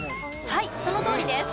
はいそのとおりです。